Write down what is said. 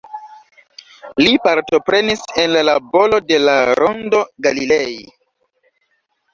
Li partoprenis en la laboro de la Rondo Galilei.